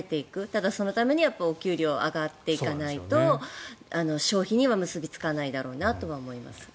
ただ、そのためにはお給料が上がっていかないと消費には結びつかないだろうなと思います。